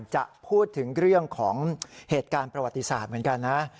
จะพูดถึงเรื่องของเหตุการณ์ประวัติศาสตร์เหมือนกันนะ